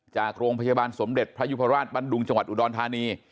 จากโรงพยาบาลสมเด็จพระยุพราชบันดุงจังหวัดอุดรธานี